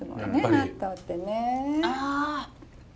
納豆ってね。